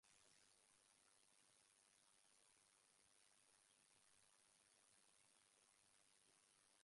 Kristeva and her sister attended a Francophone school run by Dominican nuns.